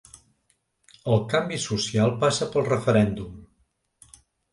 El canvi social passa pel referèndum!